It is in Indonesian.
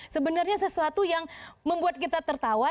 sebenarnya sesuatu yang membuat kita tertawa